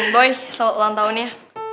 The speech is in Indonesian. boy selamat ulang tahun ya